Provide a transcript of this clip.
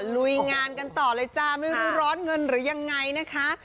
ลุยงานกันต่อเลยจ้าไม่รู้ร้อนเงินหรือยังไงนะคะ